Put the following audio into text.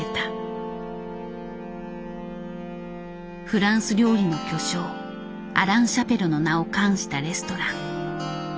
フランス料理の巨匠アラン・シャペルの名を冠したレストラン。